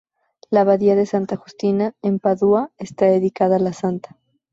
La abadía de Santa Justina, en Padua, está dedicada a la santa.